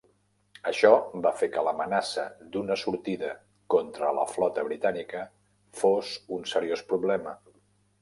Això va fer que l'amenaça d'una sortida contra la flota britànica fos un seriós problema.